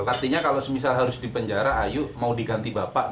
artinya kalau harus di penjara ayo mau diganti bapak